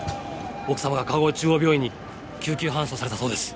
奥様が川越中央病院に救急搬送されたそうです